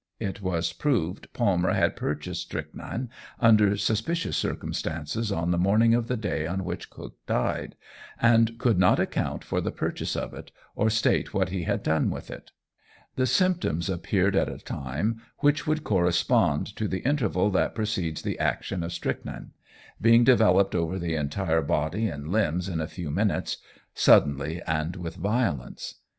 It was proved Palmer had purchased strychnine under suspicious circumstances on the morning of the day on which Cook died, and could not account for the purchase of it, or state what he had done with it. The symptoms appeared at a time which would correspond to the interval that precedes the action of strychnine, being developed over the entire body and limbs in a few minutes, suddenly and with violence.